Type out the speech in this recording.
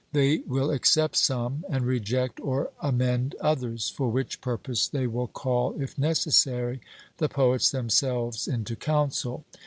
They will accept some, and reject or amend others, for which purpose they will call, if necessary, the poets themselves into council.